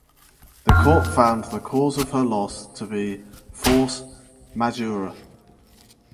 The court found the cause of her loss to be "force majeure".